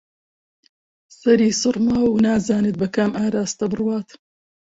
سەری سووڕماوە و نازانێت بە کام ئاراستە بڕوات